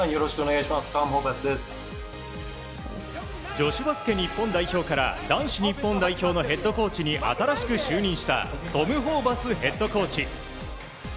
女子バスケ日本代表から男子代表のヘッドコーチに新しく就任したトム・ホーバスヘッドコーチ。